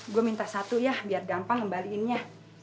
gue minta satu ya biar gampang ngembaliinnya